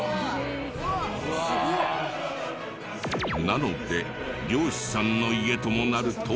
なので漁師さんの家ともなると。